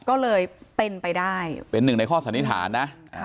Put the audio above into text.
ก็เลยเป็นไปได้เป็นหนึ่งในข้อสันนิษฐานนะ